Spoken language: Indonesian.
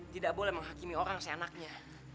tidak boleh menghakimi orang se anaknya